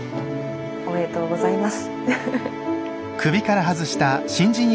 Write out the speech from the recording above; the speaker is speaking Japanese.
おめでとうございます。